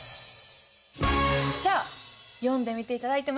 じゃあ読んでみて頂いてもいいですか？